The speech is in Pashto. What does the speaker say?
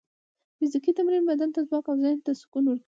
فزیکي تمرین بدن ته ځواک او ذهن ته سکون ورکوي.